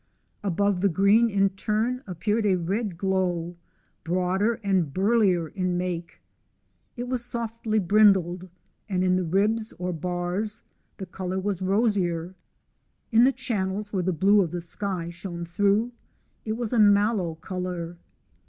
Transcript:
Above the green in turn appeared a red glow, broader r.nd burlier in make ; it was softly brindled, and in the ribs or bars the colour was rosier, in the channels where the blue of the sky shone through it was a mallow colour.